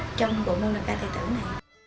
trong bộ môn văn hóa